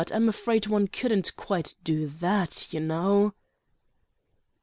I'm afraid one couldn't quite do that, you know!"